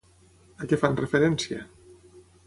A què fan referència?